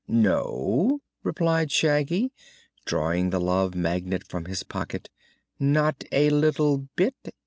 "No?" replied Shaggy, drawing the Love Magnet from his pocket; "not a little bit?